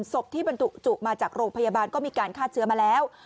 ศพที่บรรจุจุมาจากโรงพยาบาลก็มีการฆ่าเชื้อมาแล้ว